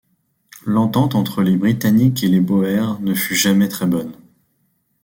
L'entente entre les Britanniques et les Boers ne fut jamais très bonne.